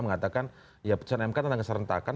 mengatakan ya putusan mk tidak terserentakan